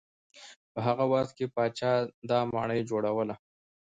په هغه وخت کې چې پاچا دا ماڼۍ جوړوله.